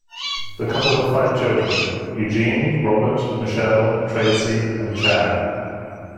The couple had five children -- Eugene, Robert, Michelle, Tracey, and Chad.